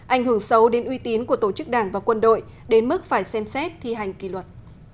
ảnh hưởng sâu đến uy tín của tổ chức đảng và quân đội đến mức phải xem xét thi hành kỳ luật